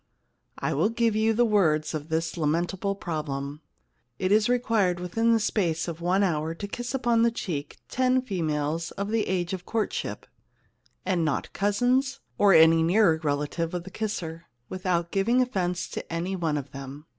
I will give you the words of this lamentable problem :It is required within the space of one hour to kiss upon the cheek ten females of the age of courtship and not cousins or any nearer relative of the kisser, without giving offence to any one of them."